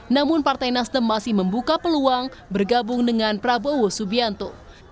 namun partai nasdem masih membuka peluang bergabung dengan prabowo subianto